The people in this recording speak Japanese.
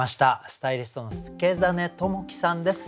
スタイリストの祐真朋樹さんです。